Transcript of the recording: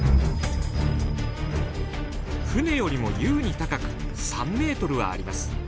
船よりも優に高く３ｍはあります。